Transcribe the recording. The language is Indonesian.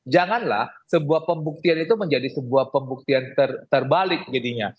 janganlah sebuah pembuktian itu menjadi sebuah pembuktian terbalik jadinya